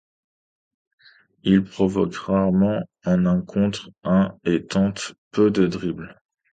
Il provoque rarement en un contre un et tente peu de dribbles.